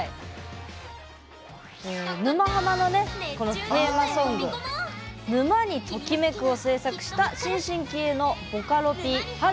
「沼ハマ」のテーマソング「沼にときめく！」を制作した新進気鋭のボカロＰ晴